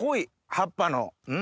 葉っぱの。